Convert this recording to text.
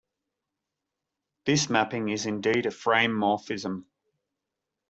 This mapping is indeed a frame morphism.